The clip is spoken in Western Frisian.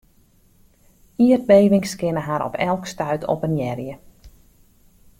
Ierdbevings kinne har op elk stuit oppenearje.